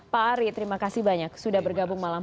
pak ari terima kasih banyak sudah bergabung malam